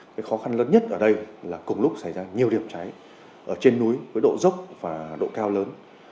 cái khó khăn lớn nhất ở đây là cùng lúc xảy ra nhiều điểm cháy ở trên núi với độ dốc và độ cao lớn